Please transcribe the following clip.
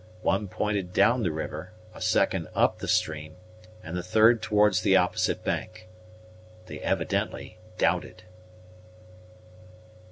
One pointed down the river, a second up the stream, and the third towards the opposite bank. They evidently doubted.